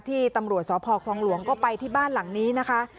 ที่ตำรวจสพคลองหลวงก็ไปที่บ้านหลังนี้นะคะ